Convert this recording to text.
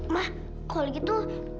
ma kalau gitu